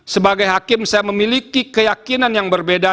sebagai hakim saya memiliki keyakinan yang berbeda